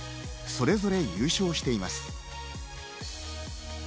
それぞれ優勝しています。